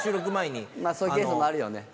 そういうケースもあるよね。